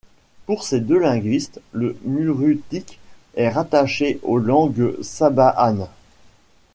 Pour ces deux linguistes, le murutique est rattaché aux langues sabahanes.